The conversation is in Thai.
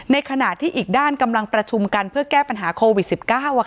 ในขณะที่อีกด้านกำลังประชุมกันเพื่อแก้ปัญหาโควิด๑๙